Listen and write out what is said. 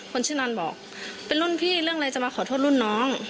คนชื่อนอนบอกเป็นรุ่นพี่เรื่องอะไรจะมาขอโทษรุ่นน้อง